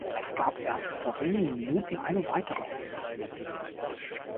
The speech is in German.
Es gab erst vor wenigen Minuten eine weitere Explosion.